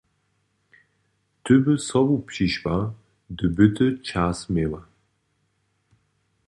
Ty by sobu přišła, hdy by ty čas měła.